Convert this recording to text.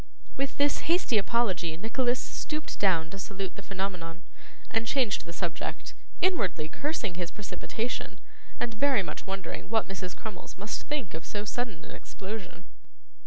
With this hasty apology Nicholas stooped down to salute the Phenomenon, and changed the subject; inwardly cursing his precipitation, and very much wondering what Mrs. Crummles must think of so sudden an explosion.